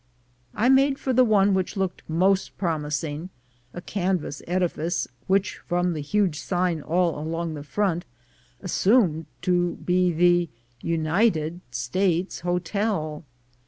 I made for the one which looked most imposing — a canvas edifice, which, from the huge sign all along the front, assumed to be the "United States" Hotel.